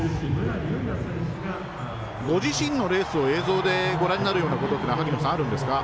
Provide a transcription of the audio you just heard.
ご自身のレースを映像でご覧になることは萩野さん、あるんですか？